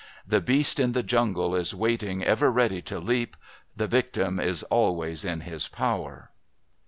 The Beast in the Jungle is waiting ever ready to leap the victim is always in his power.